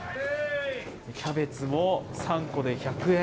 キャベツも３個で１００円。